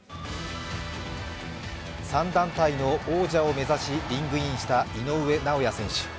３団体の王者を目指しリングインした井上尚弥選手。